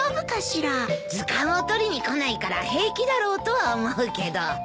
図鑑を取りに来ないから平気だろうとは思うけど。